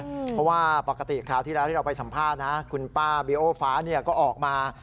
เพราะว่าปกติคราวที่แล้วที่เราไปสัมภาษณ์นะคุณป้าบีโอฟ้าก็ออกมา